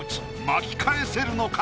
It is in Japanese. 巻き返せるのか？